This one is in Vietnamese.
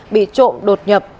bị trộm đột nhập